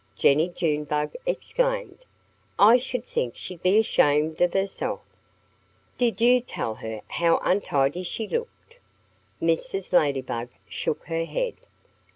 Jennie Junebug exclaimed. "I should think she'd be ashamed of herself. Did you tell her how untidy she looked?" Mrs. Ladybug shook her head.